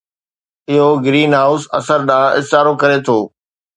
اهو greenhouse اثر ڏانهن اشارو ڪري ٿو